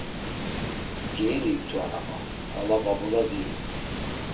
Geininktu araba, ala babula diyu.